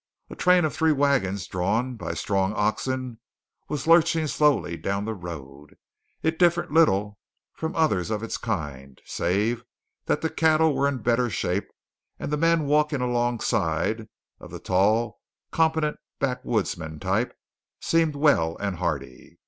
A train of three wagons drawn by strong oxen was lurching slowly down the road. It differed little from others of its kind, save that the cattle were in better shape and the men walking alongside, of the tall, competent backwoodsman type, seemed well and hearty.